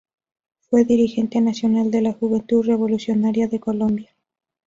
Fue dirigente nacional de la Juventud Revolucionaria de Colombia.